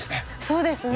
そうですよ！